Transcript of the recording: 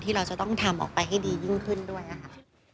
เราจะต้องทำออกไปให้ดียิ่งขึ้นด้วยค่ะ